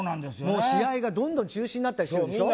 もう試合がどんどん中止になったりしてるでしょ？